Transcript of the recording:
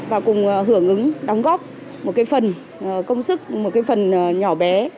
và cùng hưởng ứng đóng góp một phần công sức một phần nhỏ bé